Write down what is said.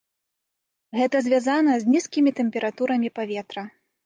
Гэта звязана з нізкімі тэмпературамі паветра.